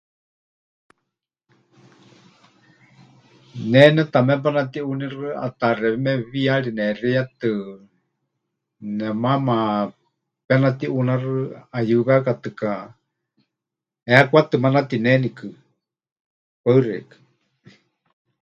Ne netamé panatiʼuuníxɨ ʼataxewime wiyari nehexeiyatɨ, nemaama penatiʼuunáxɨ ʼayɨwekatɨka heekwatɨ manatinenikɨ. Paɨ xeikɨ́a.